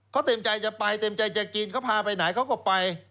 เขาเต็มใจจะไปเต็มใจจะกินเขาพาไปไหนเขาก็ไป